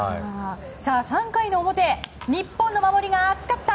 ３回の表日本の守りが厚かった。